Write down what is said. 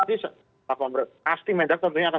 pasti mendak tentunya akan diperiksa terus gitu kan